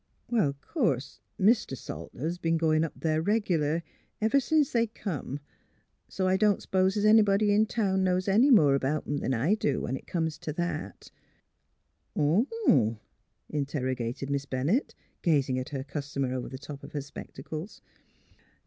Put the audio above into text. " Well, of course, Mr. Salter hes been goin' up there reg'lar ever sence they come, so I don't s'pose the's anybody in town knows any more about 'em 'an I do, when it comes t' that." ^' M m m? " interrogated Miss Bennett, gazing at her customer over the top of her spectacles.